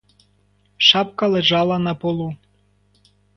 Шапка лежала на полу.